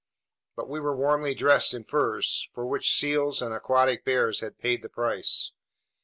But we were warmly dressed in furs, for which seals and aquatic bears had paid the price.